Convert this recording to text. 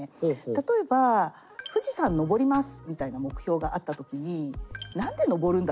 例えば富士山登りますみたいな目標があった時に何で登るんだっけって？